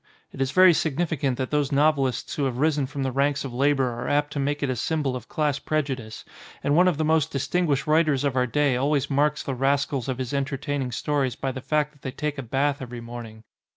It is very sig nificant that those novelists who have risen from the ranks of labour are apt to make it a symbol of class prejudice, and one of the most distinguished writers of our day always marks the rascals of his entertaining stories by the fact that they take a bath every morning.